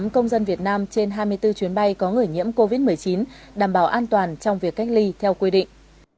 một ba trăm một mươi tám công dân việt nam trên hai mươi bốn chuyến bay có người nhiễm covid một mươi chín đảm bảo an toàn trong việc cách ly theo quy định